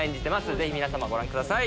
ぜひ皆様ご覧ください